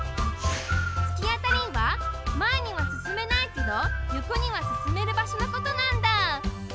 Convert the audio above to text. つきあたりはまえにはすすめないけどよこにはすすめるばしょのことなんだ。